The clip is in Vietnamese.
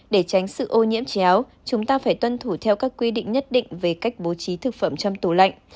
để tránh sự ô nhiễm chéo chúng ta phải tuân thủ theo các quy định nhất định về cách bố trí thực phẩm trong tủ lạnh